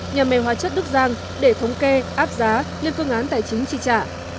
nhà máy hóa chất đức giang để thống kê áp giá lên cương án tài chính chi trả